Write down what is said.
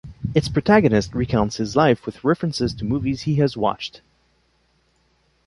Its protagonist recounts his life with references to movies he has watched.